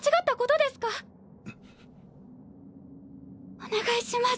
お願いします。